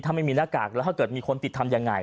ถ้าไม่มีหน้ากากแล้วถ้าเกิดมีคนติดทำยังไง